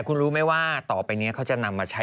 ครับผมนะฮะ